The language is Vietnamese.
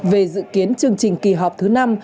về dự kiến chương trình kỳ họp thứ năm